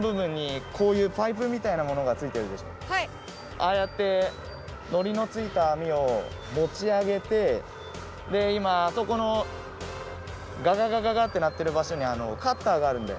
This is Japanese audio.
ああやってのりのついたあみをもち上げてでいまあそこのガガガガガッてなってるばしょにカッターがあるんだよ。